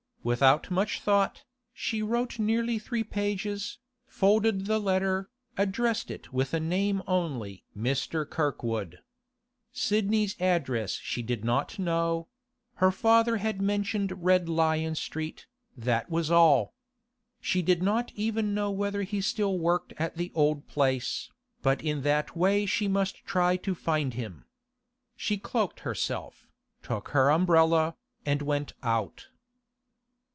Without much thought, she wrote nearly three pages, folded the letter, addressed it with a name only 'Mr. Kirkwood.' Sidney's address she did not know; her father had mentioned Red Lion Street, that was all. She did not even know whether he still worked at the old place, but in that way she must try to find him. She cloaked herself, took her umbrella, and went out.